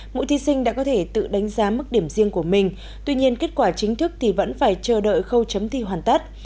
mỗi thí sinh đã có thể tự đánh giá mức điểm riêng của mình tuy nhiên kết quả chính thức thì vẫn phải chờ đợi khâu chấm thi hoàn tất